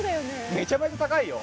めちゃめちゃ高いよ。